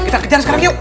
kita kejar sekarang yuk